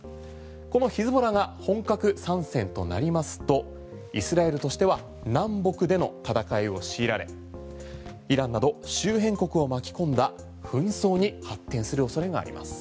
このヒズボラが本格参戦となりますとイスラエルとしては南北での戦いを強いられイランなど周辺国を巻き込んだ紛争に発展する恐れがあります。